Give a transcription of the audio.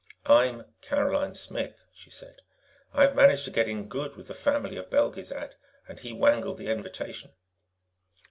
"I'm 'Caroline Smith'," she said. "I've managed to get in good with the family of Belgezad, and he wangled the invitation.